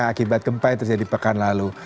akibat gempa yang terjadi pekan lalu